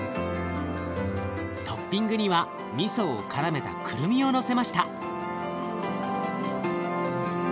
トッピングにはみそをからめたクルミをのせました。